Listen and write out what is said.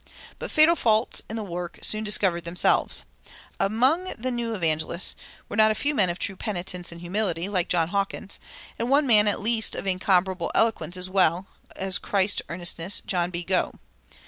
But fatal faults in the work soon discovered themselves. Among the new evangelists were not a few men of true penitence and humility, like John Hawkins, and one man at least of incomparable eloquence as well as Christian earnestness, John B. Gough.